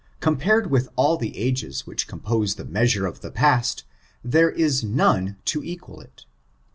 Compared with all the ages wluch compose the measure of the past, there is none to equal it.